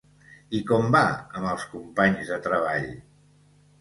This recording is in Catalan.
I com va amb els companys de Treball?